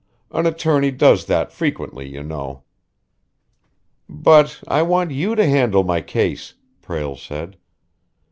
An attorney does that frequently, you know." "But I want you to handle my case," Prale said.